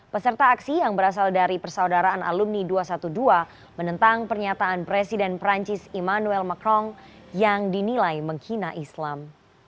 peserta aksi yang berasal dari persaudaraan alumni dua ratus dua belas menentang pernyataan presiden perancis emmanuel macron yang dinilai menghina islam